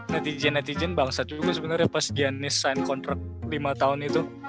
netizen netizen bangsa juga sebenernya pas giannis sign kontrak lima tahun itu